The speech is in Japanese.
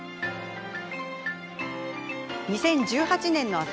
２０１８年の朝